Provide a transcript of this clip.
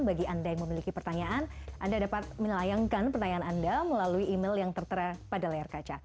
bagi anda yang memiliki pertanyaan anda dapat melayangkan pertanyaan anda melalui email yang tertera pada layar kaca